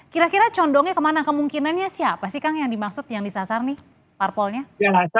kira kira condongnya kemana kemungkinannya siapa sih kang yang dimaksud yang disasar nih parpolnya